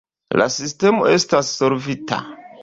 La sistemo estas solvita.